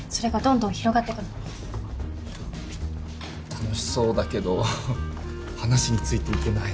楽しそうだけど話についていけない。